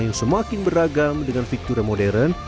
yang semakin beragam dengan fitur yang modern